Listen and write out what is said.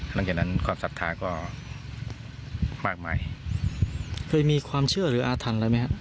หลังจากนั้นความศรัทธาก็มากมายเคยมีความเชื่อหรืออาถรรพ์อะไรไหมฮะ